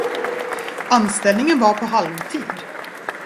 Anställningen var på halvtid.